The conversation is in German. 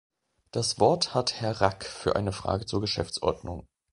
Das Wort hat Herr Rack für eine Frage zur Geschäftsordnung.